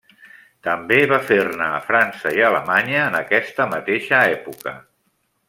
També va fer-ne a França i a Alemanya en aquesta mateixa època.